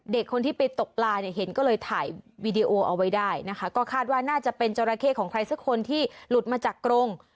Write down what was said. เด็กคนที่ไปตกปลาเนี่ยเห็นก็เลยถ่ายวีดีโอเอาไว้ได้นะคะก็คาดว่าน่าจะเป็นจราเข้ของใครสักคนที่หลุดมาจากกรง